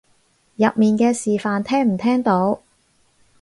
入面嘅示範聽唔聽到？